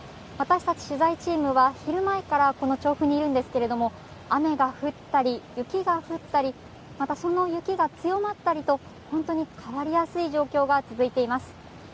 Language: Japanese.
私たち取材チームは昼前からこの調布にいるんですけれども、雨が降ったり雪が降ったり、またその雪が強まったりと本当に変わりやすい状況が続いています。